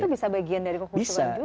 itu bisa bagian dari kehusuan juga ya